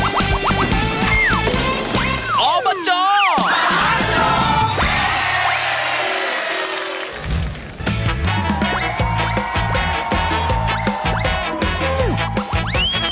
อบจมหาสนุก